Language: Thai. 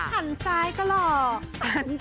หันซ้ายก็หล่อก